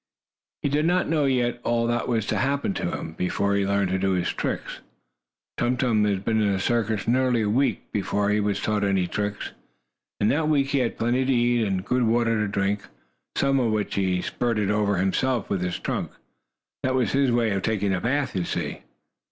He did not know yet all that was to happen to him, before he learned to do his tricks. Tum Tum had been in the circus nearly a week before he was taught any tricks. In that week he had plenty to eat, and good water to drink, some of which he spurted over himself with his trunk. That was his way of taking a bath, you see.